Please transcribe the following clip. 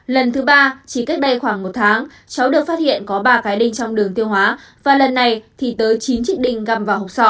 lần thứ ba chỉ cách đây khoảng một tháng cháu được phát hiện có ba cái đi trong đường tiêu hóa và lần này thì tới chín chiếc đình găm vào hộp sọ